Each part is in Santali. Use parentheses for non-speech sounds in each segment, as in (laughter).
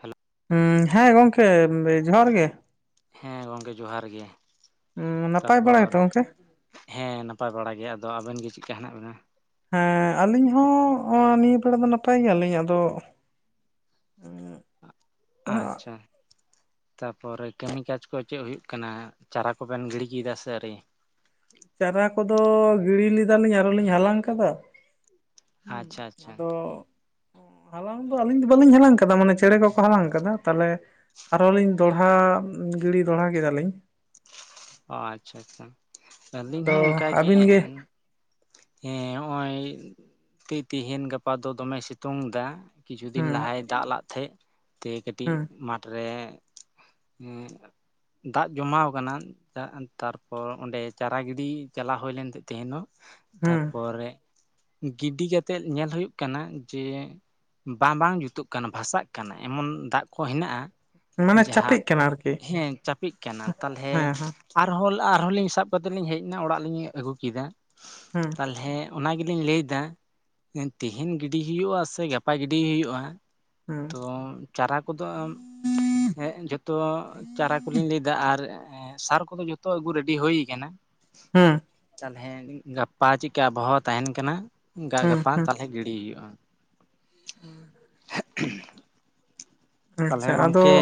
ᱦᱮᱞᱳ, ᱦᱮᱸ ᱜᱚᱝᱠᱮ ᱡᱚᱦᱟᱨ ᱜᱮ ᱾ ᱦᱮᱸ ᱜᱚᱢᱠᱮ ᱡᱚᱦᱟᱨ ᱜᱮ ᱱᱟᱯᱟᱭ ᱵᱟᱲᱟ ᱛᱟᱯᱚᱨ, ᱜᱮᱛᱚ ᱜᱚᱝᱠᱮ? ᱦᱮᱸ ᱱᱟᱯᱟᱭ ᱵᱟᱲᱟ ᱜᱮ ᱟᱫᱚ ᱟᱹᱵᱤᱱ ᱜᱮ ᱪᱤᱜᱠᱟ ᱦᱮᱱᱟᱜ ᱵᱤᱱᱟ ᱾ ᱦᱮᱸ ᱟᱹᱞᱤᱧ ᱦᱚᱸ ᱱᱤᱭᱟᱹ ᱵᱮᱲᱟ ᱫᱚ ᱱᱟᱯᱟᱭ ᱜᱮᱭᱟᱞᱤᱧ ᱟᱫᱚ, (unintelligible) ᱟᱪᱪᱷᱟ ᱛᱟᱯᱚᱨᱮ ᱠᱟᱹᱢᱤ ᱠᱟᱡᱽ ᱠᱚ ᱪᱮᱫ ᱦᱩᱭᱩᱜ ᱠᱟᱱᱟ ᱪᱟᱨᱟ ᱠᱚᱵᱮᱱ ᱜᱤᱲᱤ ᱠᱮᱫᱟ ᱥᱮ ᱟᱹᱨᱤ ᱾ ᱪᱟᱨᱟ ᱠᱚᱫᱚ ᱜᱤᱲᱤ ᱞᱮᱫᱟ ᱞᱤᱧ ᱟᱨᱚᱞᱤᱧ ᱦᱟᱞᱟᱝ ᱟᱠᱟᱫᱟ ᱾ ᱟᱪᱪᱷᱟ ᱟᱪᱪᱷᱟ ᱟᱫᱚ, ᱦᱟᱞᱟᱝ ᱫᱚ ᱟᱹᱞᱤᱧ ᱫᱚ ᱵᱟᱹᱞᱤᱧ ᱦᱟᱞᱟᱝ ᱟᱠᱟᱫᱟ ᱢᱟᱱᱮ ᱪᱮᱬᱮ ᱠᱚᱠᱚ ᱦᱟᱞᱟᱝ ᱟᱠᱟᱫᱟ ᱛᱟᱦᱞᱮ ᱟᱨᱦᱚᱞᱤᱧ ᱫᱚᱲᱦᱟ ᱜᱤᱲᱤ ᱫᱚᱲᱦᱟ ᱠᱮᱫᱟᱞᱤᱧ‌᱾ ᱚ ᱟᱪᱪᱷᱟ ᱟᱪᱪᱷᱟ ᱟᱹᱞᱤᱧ ᱟᱫᱚ ᱦᱚᱸ ᱚᱝᱠᱟ ᱜᱮ ᱟᱹᱵᱤᱱ ᱦᱮᱸ ᱦᱚᱜᱼᱚᱭ ᱛᱤ-ᱛᱤᱦᱤᱧ ᱜᱟᱯᱟ ᱫᱚ ᱫᱚᱢᱮ ᱥᱮᱛᱳᱝ ᱫᱟ ᱠᱤᱪᱷᱩ ᱫᱤᱱ ᱦᱩᱸ ᱞᱟᱦᱟᱭ ᱫᱟᱜ ᱞᱟᱜ ᱛᱟᱦᱮᱸᱫ ᱛᱮ ᱠᱟᱹᱴᱤᱡ ᱦᱩᱸ ᱢᱟᱴ ᱨᱮ, ᱩᱸᱻ ᱫᱟᱜ ᱡᱚᱢᱟᱣ ᱟᱠᱟᱱᱟ ᱾ ᱛᱟᱨᱯᱚᱨ ᱚᱸᱰᱮ ᱪᱟᱨᱟ ᱜᱤᱰᱤ ᱪᱟᱞᱟᱣ ᱦᱳᱭ ᱞᱮᱱ ᱛᱮ, ᱛᱟᱦᱮᱱᱚᱜ ᱦᱩᱸ ᱛᱟᱯᱚᱨᱮ ᱜᱤᱰᱤ ᱠᱟᱛᱮᱜ ᱧᱮᱞ ᱦᱩᱭᱩᱜ ᱠᱟᱱᱟ ᱡᱮᱼᱼ ᱵᱟᱝ ᱵᱟᱝ ᱡᱩᱛᱩᱜ ᱠᱟᱱᱟ ᱵᱷᱟᱥᱟᱜ ᱠᱟᱱᱟ ᱮᱢᱚᱱ ᱫᱟᱜ ᱠᱚ ᱦᱮᱱᱟᱜᱼᱟ᱾ ᱢᱟᱱᱮ ᱪᱟᱯᱮᱜ ᱡᱟᱦᱟᱸᱠ ᱠᱟᱱᱟ ᱟᱨᱠᱤ ᱦᱮᱸ ᱪᱟᱯᱮᱜ ᱠᱟᱱᱟ ᱛᱟᱞᱚᱦᱮᱼᱼ ᱦᱮᱸ ᱦᱮᱸ ᱟᱨᱦᱚᱸ ᱟᱨᱦᱚᱸ ᱞᱤᱧ ᱥᱟᱵ ᱠᱟᱛᱮᱫ ᱞᱤᱧ ᱦᱮᱡ ᱮᱱᱟ ᱚᱲᱟᱜ ᱞᱤᱧ ᱟᱹᱜᱩ ᱠᱮᱫᱟᱼᱼ ᱦᱮᱸ ᱛᱟᱦᱚᱞᱮ ᱚᱱᱟ ᱜᱮᱞᱤᱧ ᱞᱟᱹᱭ ᱮᱫᱟ ᱛᱮᱦᱤᱧ ᱜᱤᱰᱤ ᱦᱩᱭᱩᱜᱼᱟ ᱥᱮ ᱜᱟᱯᱟ ᱜᱤᱰᱤᱭ ᱦᱩᱭᱩᱜᱼᱟ ᱦᱩᱸ ᱛᱚᱼᱼ ᱪᱟᱨᱟ ᱠᱚᱫᱚ ᱡᱚᱛᱚ ᱪᱟᱨᱟ ᱠᱚᱞᱤᱧ ᱞᱟᱹᱭᱫᱟ ᱟᱨ ᱥᱟᱨᱼᱼ ᱳᱱᱟ ᱡᱚᱛᱚ ᱟᱹᱜᱩ ᱨᱮᱰᱤ ᱦᱩᱭ ᱟᱠᱟᱱᱟ᱾ ᱦᱮᱸ ᱛᱟᱦᱚᱞᱮ ᱜᱟᱯᱟ ᱪᱮᱫᱠᱟ ᱟᱵᱚᱦᱟᱣᱟ ᱛᱟᱦᱮᱱ ᱠᱟᱱᱟ ᱜᱟ ᱦᱩᱸ ᱜᱟᱯᱟ ᱦᱩᱸ ᱛᱟᱞᱚᱦᱮ ᱜᱤᱲᱤ ᱦᱩᱭᱩᱜᱼᱟ᱾ (inaudible) ᱛᱟᱦᱚᱞᱮ ᱟᱪᱪᱷᱟ ᱟᱫᱚ ᱜᱚᱝᱠᱮ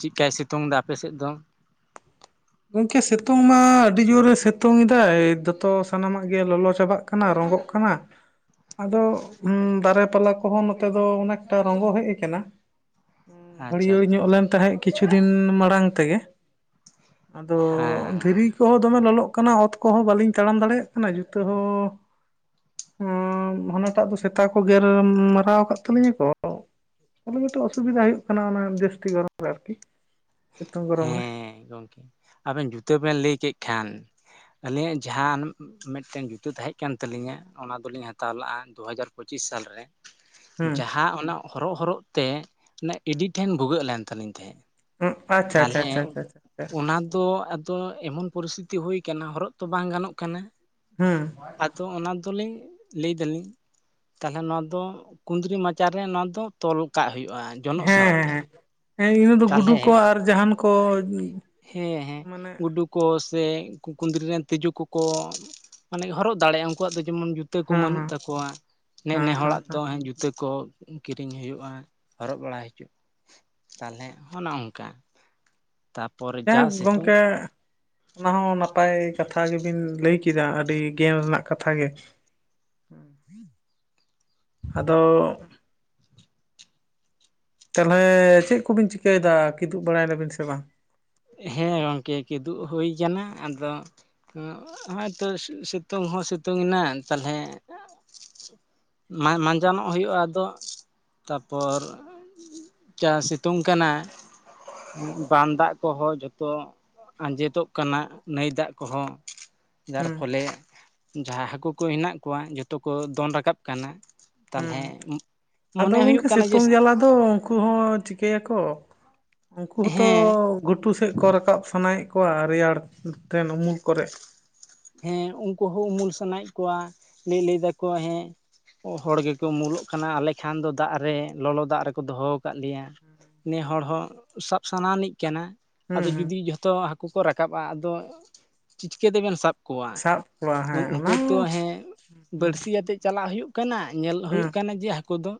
ᱪᱮᱫᱠᱟᱭ ᱥᱤᱛᱩᱝ ᱮᱫᱟ ᱟᱯᱮᱥᱮᱫ ᱫᱚ? ᱜᱚᱢᱠᱮ ᱥᱤᱛᱩᱝ ᱢᱟ ᱟᱹᱰᱤ ᱡᱳᱨᱮ ᱥᱤᱛᱩᱝ ᱮᱫᱟᱭ ᱫᱚᱛᱚ ᱥᱟᱱᱟᱢᱟᱜ ᱜᱮ ᱞᱚᱞᱚ ᱪᱟᱵᱟᱜ ᱠᱟᱱᱟ ᱨᱚᱸᱜᱚᱜ ᱠᱟᱱᱟ᱾ (inaudible) ᱟᱫᱚ ᱫᱟᱨᱮ ᱯᱟᱞᱟ ᱠᱚᱦᱚᱸ ᱱᱚᱛᱮ ᱫᱚ ᱚᱱᱮᱠᱴᱟ ᱨᱚᱸᱜᱚ ᱦᱮᱡ ᱠᱟᱱᱟ᱾ ᱟᱪᱪᱷᱟ ᱦᱟᱹᱨᱭᱟᱹᱲ ᱟᱪᱪᱷᱟ ᱧᱚᱜ ᱞᱮᱱ ᱛᱟᱦᱮᱸᱜ ᱠᱤᱪᱷᱩ ᱫᱤᱱ ᱢᱟᱲᱟᱝ ᱛᱮᱜᱮ᱾ ᱟᱫᱚ ᱦᱮᱸ ᱫᱷᱤᱨᱤ ᱠᱚᱦᱚᱸ ᱫᱚᱢᱮ ᱞᱚᱞᱚᱜ ᱠᱟᱱᱟ ᱚᱛ ᱠᱚᱦᱚᱸ ᱵᱟᱹᱞᱤᱧ ᱛᱟᱲᱟᱢ ᱫᱟᱲᱮᱭᱟᱜ ᱠᱟᱱᱟ ᱡᱩᱛᱟᱹ ᱦᱚᱸ ᱦᱟᱱᱟᱴᱟᱜ ᱫᱚ ᱥᱮᱛᱟ ᱠᱚ ᱜᱮᱨ ᱢᱟᱨᱟᱣ ᱟᱠᱟᱫ ᱛᱟᱹᱞᱤᱧᱟ ᱠᱚᱼᱼ ᱟᱫᱚ ᱠᱟᱹᱴᱤᱡ ᱚᱥᱩᱵᱤᱫᱟ ᱦᱩᱭᱩᱜ ᱠᱟᱱᱟ ᱚᱱᱟ ᱡᱟᱹᱥᱛᱤ ᱜᱚᱨᱚᱢ ᱨᱮ ᱟᱨᱠᱤ᱾ ᱥᱤᱛᱩᱝ ᱜᱚᱨᱚᱢ ᱨᱮ ᱦᱮᱸ ᱜᱚᱢᱠᱮ ᱟᱵᱮᱱ ᱡᱩᱛᱟᱹ ᱵᱮᱱ ᱞᱟᱹᱭ ᱠᱮᱫ ᱠᱷᱟᱱᱼᱼ ᱟᱹᱞᱤᱧᱟᱜ ᱡᱟᱦᱟᱱ ᱢᱤᱫᱴᱮᱱ ᱡᱩᱛᱟᱹ ᱛᱟᱦᱮᱸ ᱠᱟᱱ ᱛᱟᱹᱟᱞᱞᱤᱧᱟ ᱚᱱᱟ ᱫᱚᱞᱤᱧ ᱦᱟᱛᱟᱣ ᱞᱟᱜᱼᱟ ᱫᱩ ᱦᱟᱡᱟᱨᱼᱼ ᱯᱚᱪᱤᱥ ᱥᱟᱞ ᱨᱮ᱾ ᱦᱩᱸ ᱡᱟᱦᱟᱸ ᱚᱱᱟ ᱦᱚᱨᱚᱜ ᱦᱚᱨᱚᱜ ᱛᱮ ᱚᱱᱟ ᱮᱰᱤ ᱴᱷᱮᱱ ᱵᱷᱩᱜᱟᱹᱜ ᱞᱮᱱ ᱛᱟᱹᱟᱞᱤᱧ ᱛᱟᱦᱮᱸᱫᱼᱼ ᱦᱩᱸ ᱟᱪᱪᱷᱟ ᱟᱪᱪᱷᱟ ᱛᱟᱦᱚᱞᱮ ᱟᱪᱪᱷᱟ ᱟᱪᱪᱷᱟ ᱟᱪᱪᱷᱟ ᱚᱱᱟ ᱫᱚ ᱟᱫᱚ ᱮᱢᱚᱱ ᱯᱚᱨᱤᱥᱛᱷᱤᱛᱤ ᱦᱩᱭ ᱟᱠᱟᱱᱟ ᱦᱚᱨᱚᱜ ᱛᱚ ᱵᱟᱝ ᱜᱟᱱᱚᱜ ᱠᱟᱱᱟ᱾ ᱦᱮᱸ ᱟᱫᱚ ᱚᱱᱟ ᱫᱚᱞᱤᱮᱧ ᱞᱟᱹᱭ ᱫᱟᱞᱤᱧ᱾ ᱛᱟᱦᱚᱞᱮ ᱱᱚᱣᱟ ᱫᱚ ᱠᱩᱫᱽᱨᱤ ᱢᱟᱪᱟᱨ ᱨᱮ ᱱᱚᱣᱟ ᱫᱚ ᱛᱚᱞ ᱠᱟᱜ ᱦᱩᱭᱩᱜᱼᱟ᱾ ᱡᱚᱱᱚᱜ ᱥᱟᱶᱛᱮ ᱦᱮᱸ ᱦᱮᱸ ᱤᱱᱟᱹ ᱫᱚ ᱜᱩᱰᱩ ᱛᱟᱦᱚᱞᱮ ᱠᱚ ᱟᱨ ᱡᱟᱦᱟᱱ ᱠᱚᱼᱼ ᱦᱮᱸ ᱦᱮᱸ ᱜᱩᱰᱩᱠ ᱠᱚ ᱥᱮ ᱠᱩᱸᱫᱽᱨᱤ ᱨᱮᱱ ᱛᱤᱡᱩ ᱠᱚᱠᱚ ᱢᱟᱱᱮ ᱦᱚᱨᱚᱜ ᱫᱟᱲᱮᱭᱟᱜᱼᱟ ᱩᱱᱠᱩᱣᱟᱜ ᱫᱚ ᱡᱮᱢᱚᱱᱼᱼ ᱡᱩᱛᱟᱹ ᱠᱚ ᱦᱮᱸ ᱵᱟᱹᱱᱩᱜ ᱦᱮᱸ ᱛᱟᱠᱚᱣᱟ ᱦᱮᱸ ᱦᱮᱸ ᱱᱮᱻᱱᱮᱦᱚᱲᱟᱜ ᱦᱮᱸ ᱫᱚ ᱡᱩᱛᱟᱹ ᱠᱚᱼᱼ ᱠᱤᱨᱤᱧ ᱦᱩᱭᱩᱜᱼᱟ ᱦᱚᱨᱚᱜ ᱵᱟᱲᱟ ᱦᱤᱡᱩᱜ ᱛᱟᱦᱚᱞᱮ ᱦᱚᱱᱮ ᱚᱝᱼᱠᱟ᱾ ᱡᱟᱭ ᱦᱚᱠ ᱜᱚᱢᱠᱮ ᱚᱱᱟ ᱦᱚᱸ ᱱᱟᱯᱟᱭ ᱠᱟᱛᱷᱟ ᱜᱮᱵᱤᱱ ᱞᱟᱹᱭ ᱠᱮᱫᱟ ᱟᱹᱰᱤ ᱜᱮᱟᱱ ᱨᱮᱱᱟᱜ ᱠᱟᱛᱷᱟ ᱜᱮᱼᱼ ᱟᱫᱚᱼᱼ ᱛᱟᱦᱚᱞᱮ ᱪᱮᱫ ᱠᱚᱵᱤᱱ ᱪᱤᱠᱟᱹᱭᱮᱫᱟ ᱠᱤᱫᱩᱵ ᱵᱟᱲᱟᱭ ᱱᱟᱵᱤᱱ ᱥᱮ ᱵᱟᱝ? ᱦᱮᱸ ᱜᱚᱢᱠᱮ ᱠᱤᱫᱩᱩᱜ ᱦᱩᱭ ᱠᱟᱱᱟ ᱟᱫᱚ᱾ ᱦᱳᱭᱛᱚ ᱥᱤᱛᱩᱝ ᱦᱚᱸ ᱥᱤᱛᱩᱝ ᱮᱱᱟ ᱛᱟᱦᱚᱞᱮᱼᱼ ᱢᱟᱸᱡᱟᱱᱚᱜ ᱦᱩᱭᱩᱜᱼᱟ ᱟᱫᱚ ᱛᱟᱨᱯᱚᱨ ᱡᱟ ᱥᱤᱛᱩᱝ ᱠᱟᱱᱟ ᱵᱟᱸᱫ ᱫᱟᱜᱼᱼ ᱠᱚᱦᱚᱸ ᱡᱚᱛᱚ ᱟᱸᱡᱮᱫᱚᱜ ᱠᱟᱱᱟ ᱱᱟᱹᱭ ᱫᱟᱜ ᱠᱚᱦᱚᱸᱼᱼ ᱡᱟᱨ ᱦᱩᱸ ᱯᱷᱚᱞᱮ ᱡᱟᱦᱟᱸ ᱦᱟᱹᱠᱩ ᱠᱚ ᱦᱮᱱᱟᱜ ᱠᱚᱣᱟ ᱡᱚᱛᱚ ᱠᱚ ᱫᱚᱱ ᱨᱟᱠᱟᱵ ᱠᱟᱱᱟ᱾ ᱦᱮᱸ ᱛᱟᱦᱚᱞᱮ ᱟᱫᱚ ᱢᱚᱱᱮ ᱦᱩᱭᱩᱜ ᱜᱚᱝᱠᱮ ᱠᱟᱱᱟ ᱡᱮ ᱥᱤᱛᱩᱝ ᱡᱟᱞᱟ ᱫᱚᱼᱼ ᱩᱱᱠᱩ ᱦᱚᱸ ᱪᱤᱠᱟᱹᱭ ᱟᱠᱚ ᱩᱱᱠᱩ ᱦᱚᱸᱛᱚ ᱦᱮᱸ ᱜᱷᱩᱴᱩ ᱥᱮᱫ ᱠᱚ ᱨᱟᱠᱟᱵ ᱥᱟᱱᱟᱭᱮᱫ ᱠᱚᱣᱟ ᱨᱮᱭᱟᱲ ᱛᱮᱱ ᱩᱢᱩᱞ ᱠᱚᱨᱮ ᱦᱮᱸ ᱩᱱᱠᱩ ᱦᱚᱸ ᱩᱢᱩᱞ ᱥᱟᱱᱟᱭᱮᱫ ᱠᱚᱣᱟ ᱞᱟᱹᱭ ᱞᱟᱹᱭ ᱫᱟᱠᱚ ᱦᱮᱸ ᱦᱚᱲ ᱜᱮᱠᱚ ᱩᱢᱩᱞ ᱠᱟᱱᱟ ᱟᱞᱮ ᱠᱷᱟᱱ ᱫᱚ ᱫᱟᱜ ᱨᱮ ᱞᱚᱞᱚ ᱫᱟᱜ ᱨᱮᱠᱚ ᱫᱚᱦᱚ ᱠᱟᱫ ᱞᱮᱭᱟ᱾ ᱱᱮᱸ ᱦᱚᱲ ᱦᱚᱸ ᱥᱟᱵ ᱥᱟᱱᱟᱭᱟᱱᱤᱡ ᱠᱟᱱᱟ ᱦᱩᱸ ᱟᱫᱚ ᱦᱩᱸ ᱡᱩᱫᱤ ᱡᱷᱚᱛᱚ ᱦᱟᱹᱠᱩ ᱠᱚ ᱨᱟᱠᱟᱵᱟ ᱟᱫᱚ ᱪᱤᱴᱠᱟᱹ ᱛᱮᱵᱮᱱ ᱥᱟᱵ ᱠᱚ ᱠᱚᱣᱟ ᱥᱟᱵ ᱠᱚᱣᱟ ᱦᱮᱸ ᱚᱱᱟ ᱩᱱᱠᱩ ᱦᱚᱸ ᱛᱚ ᱦᱮᱸ ᱦᱩᱸ ᱵᱟᱹᱲᱥᱤᱭᱟᱛᱮᱫ ᱪᱟᱞᱟᱜ ᱦᱩᱭᱩᱜ ᱠᱟᱱᱟ ᱧᱮᱞ ᱦᱩᱸ ᱦᱩᱭᱩᱜ ᱠᱟᱱᱟ ᱡᱮ ᱦᱟᱹᱠᱩ ᱫᱚ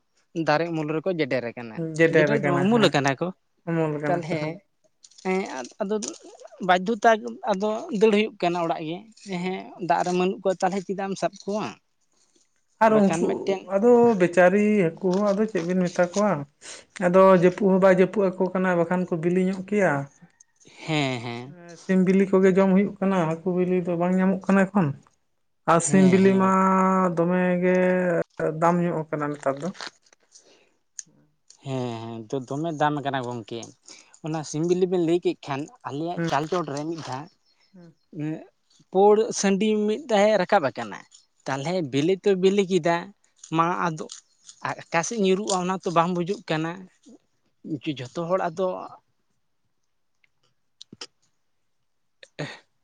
ᱫᱟᱨᱮ ᱩᱢᱩᱞ ᱨᱮᱠᱚ ᱡᱮᱰᱮᱨ ᱠᱟᱱᱟ ᱡᱮᱰᱮᱨ ᱫᱚ ᱵᱟᱝ ᱟᱠᱟᱱᱟ ᱩᱢᱩᱞ ᱦᱟᱸᱜ ᱠᱟᱱᱟ ᱠᱚ ᱩᱢᱩᱞ ᱠᱟᱱᱟ ᱠᱚ ᱛᱟᱦᱚᱞᱮ ᱦᱟᱸᱜ ᱦᱮᱸ ᱟᱫᱚ ᱵᱟᱫᱽᱫᱷᱚᱛᱟ ᱟᱫᱚ ᱫᱟᱹᱲ ᱦᱩᱭᱩᱜ ᱠᱟᱱᱟ ᱚᱲᱟᱜ ᱜᱮ ᱦᱮᱸ ᱫᱟᱜ ᱨᱮ ᱵᱟᱹᱱᱩᱜ ᱠᱚᱣᱟ ᱛᱟᱦᱚᱞᱮ ᱪᱮᱫᱟᱜ ᱮᱢ ᱥᱟᱵ ᱠᱚᱣᱟ ᱟᱨ ᱵᱟᱠᱷᱟᱱ ᱩᱱᱠᱩ ᱢᱤᱫᱴᱮᱱ ᱟᱫᱚ ᱵᱮᱪᱟᱨᱤ ᱦᱟᱹᱠᱩ ᱦᱚᱸ ᱟᱫᱚ ᱪᱮᱫ ᱵᱤᱱ ᱢᱮᱛᱟ ᱠᱚᱣᱟ᱾ ᱟᱫᱚ ᱡᱟᱹᱯᱩᱫ ᱦᱚᱸ ᱵᱟᱭ ᱡᱟᱹᱯᱩᱫ ᱟᱠᱚ ᱠᱟᱱᱟ ᱵᱟᱠᱷᱟᱱ ᱠᱚ ᱵᱤᱞᱤ ᱧᱚᱜ ᱠᱮᱭᱟ᱾ ᱦᱮᱸ ᱦᱮᱸ ᱦᱮᱸ ᱥᱤᱢ ᱵᱤᱞᱤ ᱠᱚᱜᱮ ᱡᱚᱢ ᱦᱩᱭᱩᱜ ᱠᱟᱱᱟ ᱦᱟᱹᱠᱩ ᱵᱤᱞᱤ ᱫᱚ ᱵᱟᱝ ᱧᱟᱢᱚᱜ ᱠᱟᱱᱟ ᱮᱠᱷᱚᱱ ᱟᱨ ᱥᱤᱢ ᱦᱮᱸ ᱵᱤᱞᱤ ᱦᱮᱸ ᱢᱟ ᱫᱚᱢᱮ ᱜᱮ ᱫᱟᱢ ᱧᱚᱜ ᱠᱟᱱᱟ ᱱᱮᱛᱟᱨ ᱫᱚ ᱦᱮᱸ (inaudible) ᱦᱮᱸ ᱦᱮᱸ ᱫᱚᱢᱮ ᱫᱟᱢ ᱠᱟᱱᱟ ᱜᱚᱢᱠᱮ, ᱚᱱᱟ ᱥᱤᱢ ᱵᱤᱞᱤ ᱵᱮᱱ ᱞᱟᱹᱭ ᱠᱮᱫ ᱠᱷᱟᱱ ᱟᱞᱮᱭᱟᱜ ᱪᱟᱞᱪᱚᱴ ᱨᱮ ᱢᱤᱫ ᱫᱷᱟᱣ ᱯᱳᱲ ᱥᱟᱺᱰᱤ ᱢᱤᱫ ᱫᱷᱟᱣ ᱨᱟᱠᱟᱵ ᱠᱟᱱᱟ ᱛᱟᱦᱚᱞᱮ ᱵᱤᱞᱤ ᱛᱚᱭ ᱵᱤᱞᱤ ᱠᱮᱫᱟ ᱢᱟ ᱟᱫᱚ ᱚᱠᱟᱥᱮᱫ ᱧᱩᱨᱩᱜ-ᱟ ᱚᱱᱟ ᱛᱚ ᱵᱟᱝ ᱵᱩᱡᱩᱜ ᱠᱟᱱᱟ ᱡᱷᱚᱛᱚ ᱦᱚᱲ ᱟᱫᱚ (inaudible)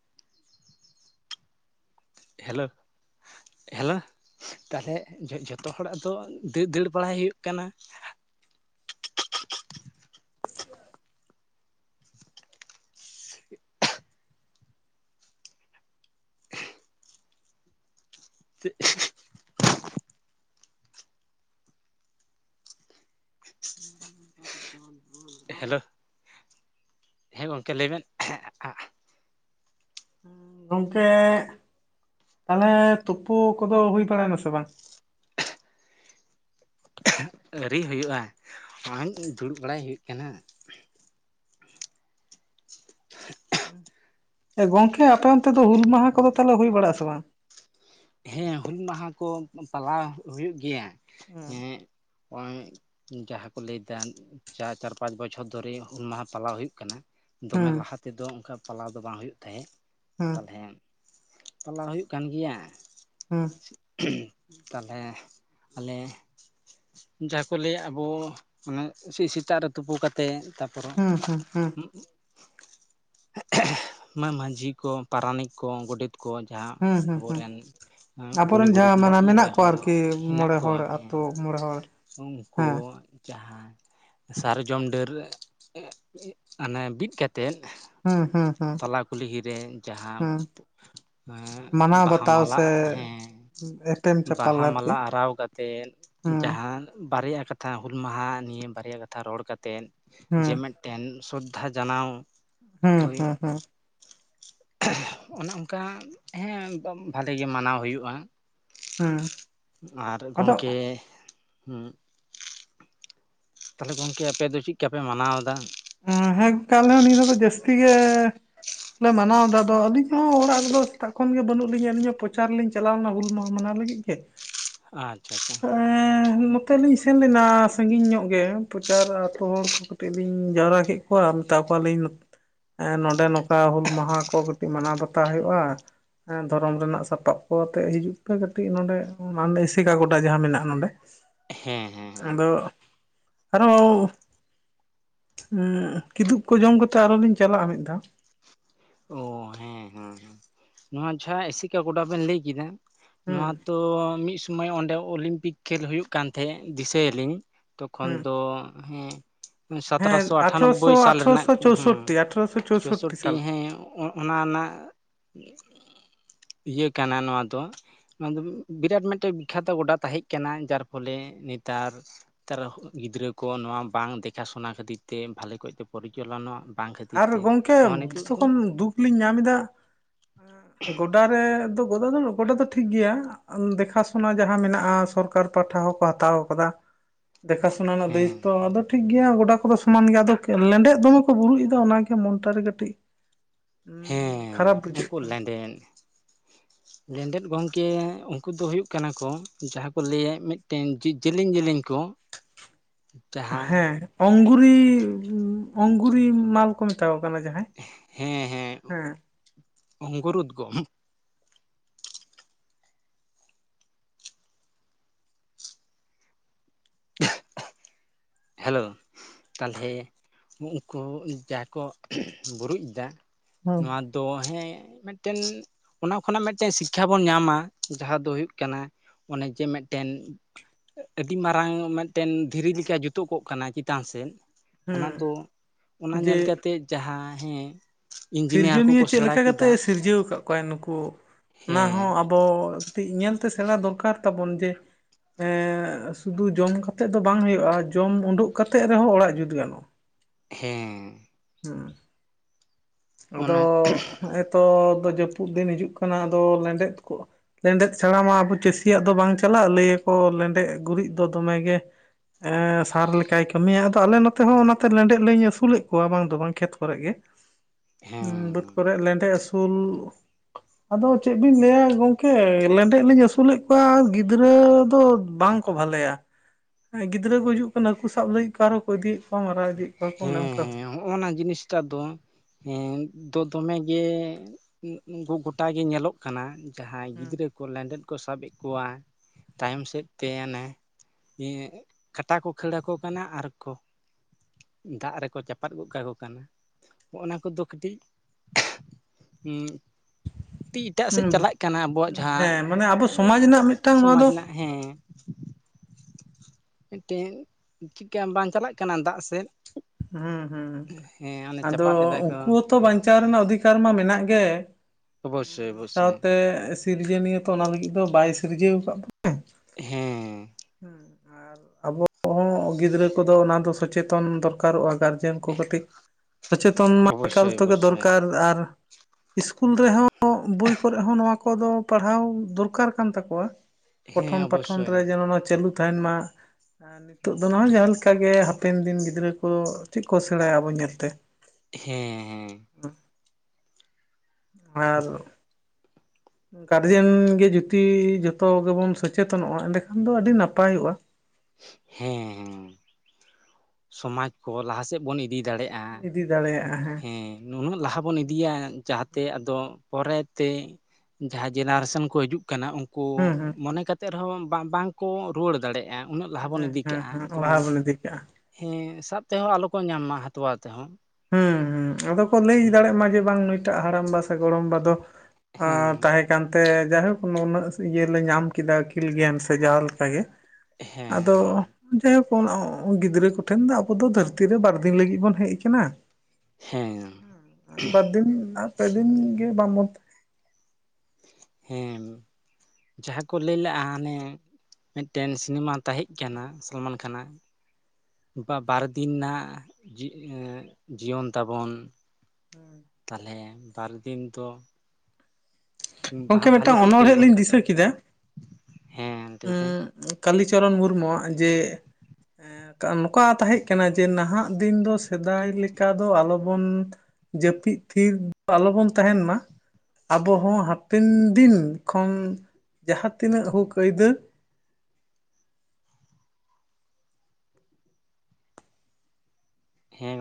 ᱦᱮᱞᱳ ᱦᱮᱞᱳ ᱛᱟᱦᱚᱞᱮ ᱡᱚᱛᱚ ᱦᱚᱲ ᱟᱫᱚ ᱫᱟᱹᱲ ᱵᱟᱲᱟᱭ ᱦᱩᱭᱩᱜ ᱠᱟᱱᱟ᱾ (inaudible) ᱦ (inaudible) ᱛᱮ (unintelligible) ᱦᱮᱞᱳ ᱦᱮᱸ ᱜᱚᱢᱠᱮ ᱞᱟᱹᱭ ᱵᱮᱱ? ᱜᱚᱝᱠᱮ ᱛᱟᱦᱚᱞᱮ ᱛᱩᱯᱩ ᱠᱚᱫᱚ ᱦᱩᱭ ᱵᱟᱲᱟᱭ ᱱᱟ ᱥᱮ ᱵᱟᱝ? ᱟᱹᱨᱤ ᱦᱩᱭᱩᱜ-ᱟ ᱱᱚᱜ-ᱚᱭ ᱫᱩᱲᱩᱵ ᱵᱟᱲᱟᱭ ᱦᱩᱭᱩᱜ ᱠᱟᱱᱟ᱾ ᱜᱚᱝᱠᱮ ᱟᱯᱮ ᱚᱱᱛᱮ ᱫᱚ ᱦᱩᱞ ᱢᱟᱦᱟ ᱠᱚᱫᱚ ᱛᱟᱦᱚᱞᱮ ᱦᱩᱭ ᱵᱟᱲᱟᱜ ᱟᱥᱮ ᱵᱟᱝ? ᱦᱮᱸ ᱦᱩᱞ ᱢᱟᱦᱟ ᱠᱚ ᱯᱟᱞᱟᱣ ᱦᱩᱭᱩᱜ ᱜᱮᱭᱟ ᱦᱮᱸᱜ ᱚᱭ ᱡᱟᱦᱟᱸ ᱠᱚ ᱞᱟᱹᱭᱮᱫᱟ ᱪᱟᱨ ᱯᱟᱸᱪ ᱵᱚᱪᱷᱚᱨ ᱫᱷᱚᱨᱮ ᱦᱩᱞ ᱢᱟᱦᱟ ᱯᱟᱞᱟᱣ ᱦᱩᱭᱩᱜ ᱠᱟᱱᱟ ᱫᱚᱢᱮ ᱦᱩᱸ ᱞᱟᱦᱟ ᱛᱮᱫᱚ ᱚᱱᱠᱟ ᱯᱟᱞᱟᱣ ᱫᱚ ᱵᱟᱝ ᱦᱩᱭᱩᱜ ᱛᱟᱦᱮᱸᱫ ᱦᱩᱸ ᱛᱟᱦᱚᱞᱮ ᱯᱟᱞᱟᱣ ᱦᱩᱭᱩᱜ ᱠᱟᱱ ᱜᱮᱭᱟ᱾ ᱦᱩᱸ ᱛᱟᱦᱚᱞᱮ ᱟᱞᱮ ᱡᱟᱦᱟᱸ ᱠᱚ ᱞᱟᱹᱭᱟ ᱟᱵᱚ ᱢᱟᱱᱮ ᱥᱤᱥᱤ ᱥᱮᱛᱟᱜ ᱨᱮ ᱛᱩᱯᱩ ᱠᱟᱛᱮᱫ ᱛᱟᱯ ᱛᱚᱨ (unintelligible) ᱦᱩᱸ ᱦᱩᱸ ᱦᱩᱸ ᱢᱟᱹᱡᱷᱤ ᱠᱚ, ᱯᱟᱨᱟᱱᱤᱠ ᱠᱚ, ᱜᱚᱰᱮᱛ, ᱠᱚ ᱡᱟᱦᱟᱸ ᱦᱩᱸ ᱦᱩᱸ ᱦᱩᱸ ᱟᱵᱚᱨᱮᱱ ᱜᱩᱱᱤ ᱟᱵᱚᱨᱮᱱ ᱜᱩᱨᱩ ᱡᱟᱦᱟᱸ ᱢᱟᱱᱮ ᱢᱮᱱᱟᱜ ᱢᱚᱬᱮ ᱠᱚᱣᱟ ᱦᱚᱲ ᱟᱨᱠᱤ ᱦᱮᱱᱟᱜ ᱢᱚᱬᱮ ᱠᱚᱣᱟ ᱦᱚᱲ ᱦᱮᱸ ᱟᱛᱳ ᱢᱚᱬᱮ ᱦᱚᱲ ᱩᱱᱠᱩ ᱦᱮᱸ ᱡᱟᱦᱟᱸ ᱥᱟᱨ ᱡᱚᱢ ᱰᱟᱹᱨ (unintelligible) ᱚᱱᱮ ᱵᱤᱫ ᱠᱟᱛᱮᱫᱼᱼ ᱦᱩᱸ ᱦᱩᱸ ᱦᱩᱸ ᱛᱟᱞᱟ ᱠᱩᱞᱦᱤ ᱨᱮ ᱡᱟᱦᱟᱸ, ᱦᱩᱸ ᱮᱸ ᱢᱟᱱᱟᱣ ᱵᱟᱦᱟ ᱵᱟᱛᱟᱣ ᱢᱟᱞᱟᱼᱼ ᱥᱮ ᱦᱮᱸ, ᱮᱯᱮᱢ ᱪᱟᱯᱟᱞ ᱵᱟᱦᱟ ᱟᱨᱠᱤ ᱢᱟᱞᱟ ᱟᱨᱟᱣ ᱠᱟᱛᱮᱫ ᱦᱩᱸ ᱡᱟᱦᱟᱸ ᱵᱟᱨᱭᱟ ᱠᱟᱛᱼᱺ ᱟ ᱦᱩᱞ ᱢᱟᱦᱟ ᱱᱤᱭᱟᱹ ᱵᱟᱨᱭᱟ ᱠᱟᱛᱷᱟ ᱨᱚᱲ ᱠᱟᱛᱮᱫ ᱡᱮ ᱦᱩᱸ ᱢᱤᱫᱴᱮᱱ ᱥᱨᱚᱫᱽᱫᱷᱟ ᱡᱟᱱᱟᱣᱼᱼ ᱦᱮᱸ ᱦᱮᱸ ᱦᱮᱸ᱾ (inaudible) ᱚᱱᱠᱟ ᱦᱮᱸ ᱵᱷᱟᱞᱮ ᱜᱮ ᱢᱟᱱᱟᱣ ᱦᱩᱭᱩᱜᱼᱟ ᱾ ᱦᱩᱸ ᱟᱨ ᱟᱫᱚ ᱜᱚᱝᱠᱮ, ᱦᱩᱸᱼᱼ ᱛᱟᱦᱚᱞᱮ ᱜᱚᱝᱠᱮ ᱟᱯᱮ ᱫᱚ ᱪᱤᱫᱠᱟ ᱯᱮ ᱢᱟᱱᱟᱣ ᱮᱫᱟ? ᱦᱮᱸ (inaudible) ᱛᱟᱦᱚᱞᱮ ᱱᱤᱭᱟᱹ ᱫᱷᱟᱣ ᱫᱚ ᱡᱟᱹᱥᱛᱤ ᱜᱮ ᱞᱮ ᱢᱟᱱᱟᱣ ᱮᱫᱟ ᱟᱫᱚ ᱟᱹᱞᱤᱧ ᱦᱚᱸ ᱚᱲᱟᱜ ᱨᱮᱫᱚ ᱥᱮᱛᱟᱜ ᱠᱷᱚᱱ ᱜᱮ ᱵᱟᱹᱱᱩᱜ ᱞᱤᱧᱟ ᱟᱹᱞᱤᱧ ᱦᱚᱸ ᱯᱨᱚᱪᱟᱨ ᱨᱮᱞᱤᱧ ᱪᱟᱞᱟᱣ ᱞᱮᱱᱟ ᱦᱩᱞ ᱢᱟᱦᱟ ᱢᱟᱱᱟᱣ ᱞᱟᱹᱜᱤᱫ ᱾ ᱦᱮᱸ᱾ ᱟᱪᱪᱷᱟ ᱟᱪᱪᱷᱟ᱾᱾ ᱦᱮᱻ ᱱᱚᱛᱮᱞᱤᱧ ᱥᱮᱱ ᱞᱮᱱᱟ ᱥᱟᱹᱜᱤᱧ ᱧᱚᱜ ᱜᱮ, ᱯᱨᱚᱪᱟᱨ ᱟᱛᱳ ᱦᱚᱲᱠᱚ ᱠᱚᱴᱷᱮᱡ ᱞᱤᱧᱼᱼ ᱡᱟᱣᱨᱟ ᱠᱮᱫ ᱠᱚᱣᱟ ᱛᱟᱯᱚᱨ ᱞᱤᱧᱼᱺ ᱱᱚᱸᱰᱮ ᱱᱚᱝᱠᱟ ᱦᱩᱞ ᱢᱟᱦᱟ ᱠᱚ ᱠᱟᱹᱴᱤᱡ ᱢᱟᱱᱟᱣ ᱵᱟᱛᱟᱣ ᱦᱩᱭᱩᱜᱼᱟ ᱾ ᱦᱮᱸ ᱫᱷᱚᱨᱚᱢ ᱨᱮᱱᱟᱜ ᱥᱟᱯᱟᱵ ᱠᱚ ᱟᱛᱮᱜ ᱦᱤᱡᱩᱜ ᱯᱮ ᱠᱟᱹᱴᱤᱡ ᱱᱚᱸᱰᱮ, ᱢᱟᱱᱞᱮ ᱤᱥᱤᱠᱟ ᱜᱚᱰᱟ ᱡᱟᱦᱟᱸ ᱢᱮᱱᱟᱜᱼᱟ ᱱᱚᱸᱰᱮ ᱦᱮᱸ ᱦᱮᱸ ᱾ ᱦᱮᱸ ᱟᱫᱚ, ᱟᱨᱳᱼᱼ ᱦᱩᱸ, ᱠᱤᱫᱩᱵ ᱠᱚ ᱡᱚᱢ ᱠᱟᱛᱮᱜ ᱟᱨᱦᱚᱸ ᱞᱤᱧ ᱪᱟᱞᱟᱜᱼᱟ ᱢᱤᱫ ᱫᱷᱟᱣ ᱾ ᱚᱸ ᱦᱮᱸ ᱦᱮᱸ, ᱱᱚᱣᱟ ᱡᱟᱦᱟ ᱤᱥᱤᱠᱟ ᱜᱚᱰᱟ ᱵᱮᱱ ᱞᱟᱹᱭ ᱠᱮᱫᱼᱟ ᱾ ᱦᱩᱸ ᱱᱚᱣᱟ ᱛᱚ ᱢᱤᱫ ᱥᱚᱢᱚᱭ ᱚᱸᱰᱮ ᱚᱞᱤᱢᱯᱤᱠ ᱠᱷᱮᱞ ᱦᱩᱭᱩᱜ ᱠᱟᱱ ᱛᱟᱦᱮᱸᱫ ᱫᱤᱥᱟᱹᱭᱟᱞᱤᱧ ᱾ ᱛᱚᱠᱷᱚᱱ ᱦᱩᱸ ᱫᱚ ᱦᱮᱸ ᱾ ᱦᱮᱸ ᱥᱚᱛᱚᱨᱚᱥᱚ ᱟᱴᱷᱨᱚᱥᱚ ᱟᱴᱷᱟᱱᱚᱵᱽᱵᱚᱭ ᱥᱟᱞ ᱨᱮᱱᱟᱜ ᱟᱴᱷᱨᱚᱥᱚ ᱦᱮᱸ, ᱪᱳᱥᱳᱴᱴᱤ ᱟᱴᱷᱨᱚᱥᱚ ᱪᱳᱥᱳᱴᱴᱤ ᱥᱟᱞ ᱦᱮᱸ᱾ ᱚ ᱚᱱᱟ ᱨᱮᱱᱟᱜ, ᱤᱭᱟᱹ ᱠᱟᱱᱟ ᱱᱚᱣᱟ ᱫᱚ ᱾ ᱵᱤᱨᱟᱴ ᱢᱤᱫᱴᱮᱱ ᱵᱤᱠᱷᱟᱛᱚ ᱜᱚᱰᱟ ᱛᱟᱦᱮᱸᱡ ᱠᱟᱱᱟ ᱡᱟᱨ ᱯᱷᱚᱞᱮ ᱱᱮᱛᱟᱨᱼᱼ ᱱᱮᱛᱟᱨ ᱜᱤᱫᱽᱨᱟᱹ ᱠᱚ ᱱᱚᱣᱟ ᱵᱟᱝ ᱫᱮᱠᱷᱟ ᱥᱩᱱᱟ ᱠᱷᱟᱹᱛᱤᱨ ᱛᱮ ᱵᱷᱟᱞᱮ ᱠᱚᱭᱛᱮ ᱯᱚᱨᱤᱪᱚᱞᱚᱱᱟᱼᱼ ᱟᱨ ᱜᱚᱝᱠᱮ ᱡᱚᱛᱚᱠᱷᱚᱱ ᱫᱩᱠ ᱞᱤᱧ ᱧᱟᱢ ᱮᱫᱟ, ᱜᱚᱰᱟᱨᱮᱼᱼ ᱜᱚᱫᱟ ᱫᱚ ᱜᱚᱴᱟ ᱫᱚ ᱴᱷᱤᱠ ᱜᱮᱭᱟ ᱾ ᱫᱮᱠᱷᱟ ᱥᱩᱱᱟ ᱡᱟᱦᱟᱸ ᱢᱮᱱᱟᱜᱼᱟ, ᱥᱚᱨᱠᱟᱨ ᱯᱟᱦᱴᱟ ᱦᱚᱸ ᱠᱚ ᱦᱟᱛᱟᱣ ᱟᱠᱟᱫᱟ ᱾ ᱫᱮᱠᱷᱟ ᱥᱩᱱᱟ ᱨᱮᱱᱟᱜ ᱦᱮᱸ ᱫᱟᱹᱭᱤᱛᱛᱚ ᱟᱫᱚ ᱴᱷᱤᱠ ᱜᱮᱭᱟ ᱜᱚᱰᱟ ᱠᱚᱫᱚ ᱥᱚᱢᱟᱱ ᱜᱮᱭᱟ, ᱟᱫᱚ ᱞᱮᱸᱰᱮᱫ ᱫᱚᱢᱮ ᱠᱚ ᱵᱩᱨᱩᱡᱼᱼ ᱚᱱᱟᱜᱮ ᱢᱚᱱᱴᱟᱨᱮ ᱠᱟᱹᱴᱤᱡ, ᱩᱸ ᱦᱮᱸ ᱠᱷᱟᱨᱟᱯ ᱵᱩᱡᱷᱟᱹᱜ ᱠᱟᱱᱟ ᱾ (inaudible) (inaudible) ᱞᱮᱸᱰᱮᱫ ᱜᱚᱝᱠᱮ ᱩᱱᱠᱩ ᱫᱚ ᱦᱩᱭᱩᱜ ᱠᱟᱱᱟ ᱠᱚ, ᱡᱟᱦᱟᱸ ᱠᱚ ᱞᱟᱹᱭᱟ ᱢᱤᱫᱴᱮᱱ ᱡᱤᱞᱤᱧ ᱡᱤᱞᱤᱧ ᱠᱚ ᱾ (inaudible) ᱦᱮᱸ ᱚᱝᱜᱩᱨᱤ, ᱚᱝᱜᱩᱨᱤ ᱢᱟᱞ ᱠᱚ ᱢᱮᱛᱟ ᱠᱚ ᱠᱟᱱᱟ ᱡᱟᱦᱟᱸᱭ ᱾ ᱦᱮᱸ ᱦᱮᱸ, ᱚᱝᱜᱩᱨᱩᱫᱽ ᱜᱚᱢ ᱾ (inaudible) ᱦᱮᱞᱳ, ᱛᱟᱞᱦᱮ ᱩᱱᱠᱩ ᱡᱟᱦᱟᱸᱭ ᱠᱚ (unintelligible) ᱵᱩᱨᱩᱡ ᱫᱟ ᱾ ᱦᱮᱸ ᱱᱚᱣᱟ ᱟᱫᱚ ᱦᱮᱸ ᱢᱤᱫᱴᱮᱱ, ᱚᱱᱟ ᱠᱷᱚᱱᱟᱜ ᱢᱤᱫᱴᱮᱱ ᱥᱤᱠᱠᱷᱟ ᱵᱚᱱ ᱧᱟᱢᱟ ᱡᱟᱦᱟᱸ ᱫᱚ ᱦᱩᱭᱩᱜ ᱠᱟᱱᱟᱼᱼ ᱚᱱᱮ ᱡᱮ ᱢᱤᱫᱴᱮᱱ ᱟᱹᱰᱤ ᱢᱟᱨᱟᱝ ᱢᱤᱫᱴᱮᱱ ᱫᱷᱤᱨᱤ ᱞᱮᱠᱟ ᱡᱩ ᱩᱛᱩᱜᱚᱜ ᱠᱟᱱᱟ ᱪᱮᱛᱟᱱ ᱥᱮᱫ, ᱚᱱᱟ ᱦᱮᱸ ᱫᱚ ᱚᱱᱟ ᱡᱮ ᱧᱮᱞ ᱠᱟᱛᱮ ᱡᱟᱦᱟᱸ ᱦᱮᱸᱼᱼ ᱥᱤᱨᱡᱚᱱᱤᱭᱟᱹ ᱪᱮᱫ ᱞᱮᱠᱟ ᱠᱟᱛᱮᱜ ᱥᱤᱨᱡᱟᱹᱣ ᱟᱠᱟᱜ ᱠᱚᱣᱟᱭ ᱱᱩᱠᱩ, ᱚᱱᱟ ᱦᱚᱸ ᱦᱮᱸ ᱟᱵᱼᱼ ᱟᱵᱚ ᱠᱟᱹᱴᱤᱡ ᱧᱮᱞᱛᱮ ᱥᱮᱬᱟ ᱫᱚᱨᱠᱟᱨ ᱛᱟᱵᱚᱱ ᱡᱮᱼᱼ ᱦᱮᱻ ᱥᱩᱫᱩ ᱡᱚᱢ ᱠᱟᱛᱮ ᱫᱚ ᱵᱟᱝ ᱦᱩᱭᱩᱜᱼᱟ, ᱡᱚᱢ ᱩᱰᱩᱠ ᱠᱟᱛᱮᱜ ᱨᱮᱦᱚᱸ ᱚᱲᱟᱜ ᱡᱩᱛ ᱜᱟᱱᱚᱜᱼᱟ ᱾ ᱦᱮᱸ᱾ ᱟᱫᱚ ᱚᱱᱟ ᱱᱤᱛᱚᱜ ᱫᱚ ᱡᱟᱹᱯᱩᱫ ᱫᱤᱱ ᱦᱤᱡᱩᱜ ᱠᱟᱱᱟ, ᱟᱫᱚ ᱞᱮᱸᱰᱮᱫ ᱠᱚ ᱞᱮᱸᱰᱮᱛ ᱪᱷᱟᱲᱟ ᱢᱟ ᱟᱵᱚ ᱪᱟᱹᱥᱤᱭᱟᱜ ᱫᱚ ᱵᱟᱝ ᱪᱟᱞᱟᱜᱼᱟ᱾ ᱞᱟᱹᱭᱟᱠᱚ ᱞᱮᱸᱰᱮᱛ ᱜᱩᱨᱤᱡ ᱫᱚ ᱫᱚᱢᱮᱜᱮ ᱮᱻ ᱥᱟᱨ ᱞᱮᱠᱟᱭ ᱠᱟᱹᱢᱤᱭᱟ᱾ ᱟᱫᱚ ᱟᱞᱮ ᱱᱚᱛᱮ ᱦᱚᱸ ᱚᱱᱟᱛᱮ ᱞᱮᱸᱰᱮᱫ ᱞᱮᱧ ᱟᱹᱥᱩᱞᱮᱫ ᱠᱚᱣᱟ ᱵᱟᱝ ᱫᱚ ᱵᱟᱝ ᱠᱷᱮᱛ ᱠᱚᱨᱮ ᱜᱮ᱾ ᱵᱟᱹᱫᱽ ᱦᱮᱸ ᱠᱚᱨᱮ ᱞᱮᱸᱰᱮᱛ ᱟᱹᱥᱩᱞ ᱟᱫᱚ ᱪᱮᱫ ᱵᱤᱱ ᱞᱟᱹᱭᱟ ᱜᱚᱝᱠᱮ ᱞᱮᱸᱰᱮᱡ ᱞᱤᱧ ᱟᱹᱥᱩᱞᱮᱫ ᱠᱚᱣᱟ ᱜᱤᱫᱽᱨᱟᱹ ᱫᱚ ᱵᱟᱝ ᱠᱚ ᱵᱷᱟᱞᱮᱭᱟ ᱜᱤᱫᱽᱨᱟᱹ ᱠᱚ ᱦᱤᱡᱩᱜ ᱠᱟᱱᱟ᱾ ᱦᱟᱹᱠᱩ ᱥᱟᱵ ᱞᱟᱹᱭ ᱠᱚᱣᱟ ᱟᱨᱦᱚᱸ ᱠᱚ ᱤᱫᱤᱭᱮᱫ ᱠᱚᱣᱟ ᱢᱟᱨᱟᱣ ᱤᱫᱤᱭᱮᱫ ᱠᱚᱣᱟ᱾ ᱦᱳᱭ ᱛᱚ (unintelligible) ᱦᱚᱜᱼᱱᱟ ᱡᱤᱱᱤᱥᱴᱟ ᱫᱚ ᱦᱮᱸ ᱫᱚ ᱫᱚᱢᱮ ᱜᱮ ᱩᱱᱠᱩ ᱜᱚᱴᱟ ᱜᱮ ᱧᱮᱞᱚᱜ ᱠᱟᱱᱟ᱾ ᱡᱟᱦᱟᱸᱭ ᱜᱤᱫᱽᱨᱟᱹ ᱠᱚ ᱞᱮᱸᱰᱮᱫ ᱠᱚ ᱥᱟᱵ ᱮᱫ ᱠᱚᱣᱟ ᱛᱟᱭᱚᱢ ᱥᱮᱫ ᱛᱮ ᱟᱱᱮ ᱱᱮ ᱠᱟᱴᱟ ᱠᱚ ᱠᱷᱟᱹᱲ ᱟᱠᱚ ᱠᱟᱱᱟ ᱟᱨ ᱠᱚ ᱫᱟᱜ ᱨᱮᱠᱚ ᱪᱟᱯᱟᱫ ᱜᱚᱫ ᱠᱟᱠᱚ ᱠᱟᱱᱟ᱾ ᱚᱱᱟ ᱠᱚᱫᱚ ᱠᱟᱹᱴᱤᱡ ᱛᱤ ᱮᱴᱟᱜ ᱥᱮᱡ ᱪᱟᱞᱟᱜ ᱠᱟᱱᱟ, ᱟᱵᱚᱣᱟᱜ ᱡᱟᱦᱟᱸ ᱦᱮᱸ ᱢᱟᱱᱮ ᱟᱵᱚ ᱥᱚᱢᱟᱡᱽ ᱨᱮᱱᱟᱜ ᱢᱤᱫᱴᱟᱝ ᱱᱚᱣᱟ ᱥᱚᱢᱟᱡᱽ ᱫᱚ ᱨᱮᱱᱟᱜ ᱦᱮᱸ ᱛᱮᱦᱮᱧ ᱪᱮᱫᱠᱟ ᱵᱟᱝ ᱪᱟᱞᱟᱜ ᱠᱟᱱᱟ ᱫᱟᱜ ᱥᱮᱫ ᱦᱩᱸ ᱦᱩᱸ ᱦᱮᱸ ᱚᱱᱮ ᱟᱫᱚ ᱪᱟᱯᱟᱫ ᱮᱫᱟ ᱠᱚ ᱩᱱᱠᱩ ᱦᱚᱸᱛᱚ ᱦᱮᱸ ᱵᱟᱧᱪᱟᱣ ᱨᱮᱱᱟᱜ ᱚᱫᱷᱤᱠᱟᱨ ᱠᱟᱨ ᱢᱟ ᱢᱮᱱᱟᱜ ᱜᱮ ᱚᱵᱚᱥᱥᱳᱭ ᱚᱵᱚᱥᱥᱳᱭ ᱥᱟᱶᱛᱮ ᱥᱤᱨᱡᱟᱹ ᱱᱤᱭᱟᱹ ᱛᱚ, ᱚᱱᱟ ᱞᱟᱹᱜᱤᱫ ᱫᱚ ᱵᱟᱭ ᱥᱤᱨᱡᱟᱹᱣ ᱟᱠᱟᱫ ᱵᱚᱱᱟ᱾ ᱦᱮᱸ᱾ ᱦᱮᱸ ᱟᱨ ᱟᱵᱚ ᱦᱚᱸ ᱜᱤᱫᱽᱨᱟᱹ ᱠᱚᱫᱚ ᱚᱱᱟ ᱫᱚ ᱥᱚᱪᱮᱛᱚᱱ ᱫᱚᱨᱠᱟᱨᱚᱜᱼᱟ᱾ ᱜᱟᱨᱡᱮᱱ ᱠᱚ ᱠᱟᱹᱴᱤᱡ, ᱥᱚᱪᱮᱛᱚᱱ ᱢᱟ ᱮᱠᱟᱞ ᱚᱵᱚᱥᱥᱳᱭ ᱛᱮᱜᱮ ᱚᱵᱚᱥᱥᱳᱭ ᱫᱚᱨᱠᱟᱨ ᱟᱨ ᱤᱥᱠᱩᱞ ᱨᱮᱦᱚᱸ ᱵᱳᱭ ᱠᱚᱨᱮ ᱦᱚᱸ ᱱᱚᱣᱟ ᱠᱚᱫᱚ ᱯᱟᱲᱦᱟᱣ ᱫᱚᱨᱠᱟᱨ ᱠᱟᱱ ᱛᱟᱠᱚᱣᱟ᱾ ᱦᱮᱸ ᱯᱚᱴᱷᱚᱱ ᱯᱟᱴᱷᱚᱱ ᱚᱵᱚᱥᱥᱳᱭ ᱨᱮ ᱡᱮᱱᱚ ᱪᱟᱹᱞᱩ ᱛᱟᱦᱮᱱ ᱢᱟ᱾ ᱟᱨ ᱱᱤᱛᱚᱜ ᱫᱚ ᱱᱟᱭ ᱡᱟᱦᱟᱸ ᱞᱮᱠᱟ ᱜᱮ, ᱦᱟᱯᱮᱱ ᱫᱤᱱ ᱜᱤᱫᱽᱨᱟᱹ ᱠᱚ ᱪᱮᱫ ᱠᱚ ᱥᱮᱬᱟᱭᱟ ᱟᱵᱚ ᱧᱮᱞᱛᱮ? ᱦᱮᱸ ᱦᱮᱸ᱾ ᱟᱨ ᱜᱟᱨᱡᱮᱱ ᱜᱮ ᱡᱩᱫᱤ ᱡᱚᱛᱚ ᱜᱮᱵᱚᱱ ᱥᱚᱪᱮᱛᱚᱱᱚᱜᱼᱟ᱾ ᱮᱸᱰᱮᱠᱷᱟᱱ ᱫᱚ ᱟᱹᱰᱤ ᱱᱟᱯᱟᱭᱚᱜᱼᱟ᱾ ᱦᱮᱸ ᱦᱮᱸ ᱥᱚᱢᱟᱡᱽ ᱠᱚ ᱞᱟᱦᱟ ᱥᱮᱫ ᱵᱚᱱ ᱤᱫᱤ ᱫᱟᱲᱮᱭᱟᱜᱼᱟ᱾ ᱤᱫᱤ ᱫᱟᱲᱮᱭᱟᱜᱼᱟ ᱦᱮᱸ ᱟ-ᱦᱮᱸ ᱱᱩᱱᱟᱹᱜ ᱞᱟᱦᱟ ᱵᱚᱱ ᱤᱫᱤᱭᱟ ᱡᱟᱦᱟᱸᱛᱮ, ᱟᱫᱚ ᱯᱚᱨᱮᱛᱮ ᱡᱟᱦᱟᱸ ᱡᱮᱱᱟᱨᱮᱥᱮᱱ ᱠᱚ ᱦᱤᱡᱩᱜ ᱠᱟᱱᱟ, ᱩᱱᱠᱩ ᱦᱩᱸ ᱦᱩᱸ ᱢᱚᱱᱮ ᱠᱟᱛᱮ ᱨᱮᱦᱚᱸ ᱵᱟᱝ ᱠᱚ ᱨᱩᱣᱟᱹᱲ ᱫᱟᱲᱮᱭᱟᱜᱼᱟ᱾ ᱩᱱᱟᱹᱜ ᱞᱟᱦᱟ ᱵᱚᱱ ᱦᱮᱸ ᱤᱫᱤ ᱦᱮᱸ ᱠᱟᱜᱼᱟ, ᱦᱮᱸ ᱞᱟᱦᱟ ᱡᱮᱢᱚᱱ ᱵᱚᱱ ᱤᱫᱤ ᱠᱟᱜᱼᱟ ᱦᱮᱸ ᱥᱟᱵ ᱛᱮᱦᱚᱸ ᱟᱞᱚ ᱠᱚ ᱧᱟᱢ ᱢᱟ ᱦᱟᱛᱣᱟ ᱛᱮᱦᱚᱸ ᱦᱩᱸ ᱦᱩᱸ ᱟᱫᱚ ᱠᱚ ᱞᱟᱹᱭ ᱦᱮᱸ ᱫᱟᱲᱮᱭᱟᱜ ᱢᱟ ᱡᱮ ᱵᱟᱝ ᱱᱩᱭᱴᱟᱜ ᱦᱟᱲᱟᱢᱵᱟ ᱥᱮ ᱜᱚᱲᱚᱢᱵᱟ ᱫᱚ ᱟᱨ ᱦᱮᱸ ᱛᱟᱦᱮᱸ ᱠᱟᱱ ᱛᱮ ᱡᱟᱭᱦᱳᱠ ᱩᱱᱟᱹᱜ ᱤᱭᱟᱹ ᱞᱮ ᱧᱟᱢ ᱠᱮᱫᱟ, ᱟᱹᱠᱤᱞ ᱜᱮᱭᱟᱱ ᱥᱮ ᱡᱟᱦᱟᱸ ᱞᱮᱠᱟ ᱜᱮ ᱟᱫᱚ ᱦᱮᱸ ᱡᱟᱭᱦᱳᱠ ᱜᱤᱫᱽᱨᱟᱹ ᱠᱚᱴᱷᱮᱱ ᱫᱚ ᱟᱵᱚ ᱫᱚ ᱫᱷᱟᱹᱨᱛᱤ ᱨᱮ ᱵᱟᱨ ᱫᱤᱱ ᱞᱟᱹᱜᱤᱫ ᱵᱚᱱ ᱦᱮᱡ ᱟᱠᱟᱱᱟ᱾ ᱦᱮᱸ᱾ ᱵᱟᱨ ᱫᱤᱱ ᱯᱮᱫᱤᱱ ᱜᱮ ᱵᱟᱵᱚᱱ ᱦᱮᱸ ᱡᱟᱦᱟᱸ ᱠᱚ ᱞᱟᱹᱭ ᱞᱮᱜᱼᱟ, ᱦᱟᱱᱮ ᱢᱤᱫᱴᱮᱱ ᱥᱤᱱᱮᱢᱟ ᱛᱟᱦᱮᱸ ᱠᱟᱱᱟ᱾ ᱥᱚᱞᱢᱟᱱ ᱠᱷᱚᱱᱟᱜ ᱵᱟ ᱵᱟᱨ ᱫᱤᱱ ᱨᱮᱱᱟᱜ ᱡᱤᱭᱚᱱ ᱛᱟᱵᱚᱱ ᱦᱩᱸ᱾ ᱛᱟᱦᱚᱞᱮ ᱵᱟᱨ ᱫᱤᱱ ᱫᱚ, ᱜᱚᱢᱠᱮ ᱵᱷᱟᱞᱮ ᱢᱤᱫᱴᱟᱝ ᱠᱚᱡ ᱛᱮᱜᱮ ᱚᱱᱬᱦᱮᱸᱜ ᱵᱚᱱ ᱞᱤᱧ ᱫᱤᱥᱟᱹ ᱠᱟᱴᱟᱣᱟ ᱠᱮᱫᱟ ᱦᱮᱸ ᱞᱟᱹᱭ ᱵᱮᱱ ᱩᱸᱜ, ᱠᱟᱞᱤᱪᱚᱨᱚᱱ ᱢᱩᱨᱢᱩᱣᱟᱜ ᱡᱮ, ᱱᱚᱝᱠᱟ ᱛᱟᱦᱮᱸ ᱠᱟᱱᱟ ᱡᱮ ᱱᱟᱦᱟᱜ ᱫᱤᱱ ᱫᱚ ᱥᱮᱫᱟᱭ ᱞᱮᱠᱟ ᱫᱚ ᱟᱞᱚᱵᱚᱱ ᱡᱟᱹᱯᱤᱫ ᱛᱷᱤᱨ ᱟᱞᱚᱵᱚᱱ ᱛᱟᱦᱮᱱ ᱢᱟ ᱟᱵᱚ ᱦᱚᱸ, ᱦᱟᱯᱮᱱ ᱫᱤᱱ ᱠᱷᱚᱱ ᱡᱟᱦᱟᱸ ᱛᱤᱱᱟᱹᱜ ᱦᱩᱠ ᱟᱹᱭᱫᱟᱹᱨ, ᱦᱮᱸ,